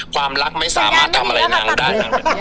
ความรักไม่สามารถทำอะไรนางได้